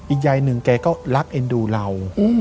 ยายหนึ่งแกก็รักเอ็นดูเรา